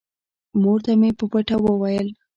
مور ته مې په پټه وويل.